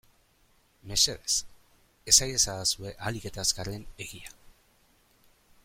Mesedez esan iezadazue ahalik eta azkarren egia.